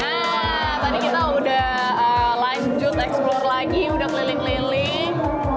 nah tadi kita udah lanjut eksplor lagi udah keliling keliling